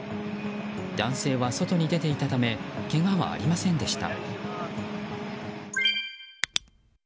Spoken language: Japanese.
男性は外に出ていたためけがはありませんでした。